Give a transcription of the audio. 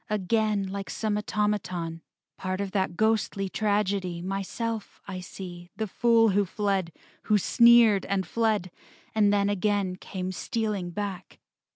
Again, like some automaton, Part of that ghostly tragedy, Myself I see, the fool who fled, Who sneered and fled. And then again Came stealing back.